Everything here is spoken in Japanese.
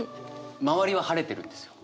周りは晴れてるんですよ。